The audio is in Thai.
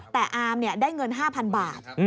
แต่อามได้เงิน๕๐๐๐บาท